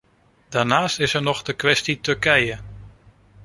Daarnaast is er nog de kwestie-Turkije.